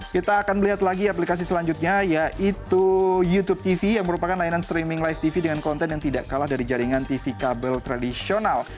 kita akan melihat lagi aplikasi selanjutnya yaitu youtube tv yang merupakan layanan streaming live tv dengan konten yang tidak kalah dari jaringan tv kabel tradisional